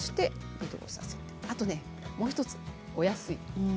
あとね、もう１つお安い。